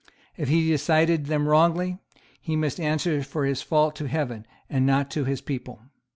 If he decided them wrongly, he must answer for his fault to heaven and not to his people.